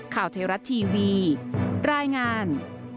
ข่าวเทราะห์ทีวีรายงาน